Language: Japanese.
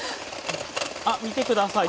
あっ見てください。